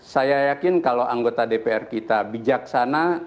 saya yakin kalau anggota dpr kita bijaksana